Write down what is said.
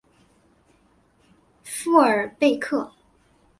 富尔贝克。